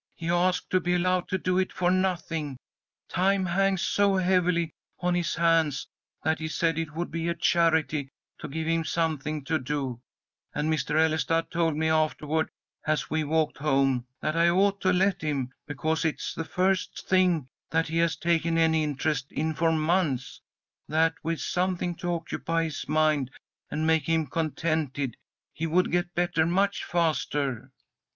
"He asked to be allowed to do it for nothing. Time hangs so heavily on his hands that he said it would be a charity to give him something to do, and Mr. Ellestad told me afterward, as we walked home, that I ought to let him, because it's the first thing that he has taken any interest in for months; that with something to occupy his mind and make him contented, he would get better much faster.